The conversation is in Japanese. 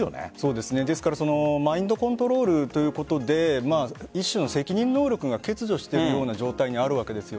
マインドコントロールということで一種の責任能力が欠如しているような状態にあるわけです。